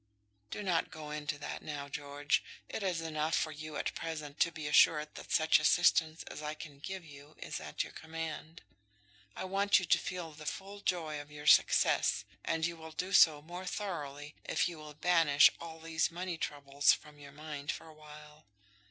"Do not go into that now, George. It is enough for you at present to be assured that such assistance as I can give you is at your command. I want you to feel the full joy of your success, and you will do so more thoroughly if you will banish all these money troubles from your mind for a while."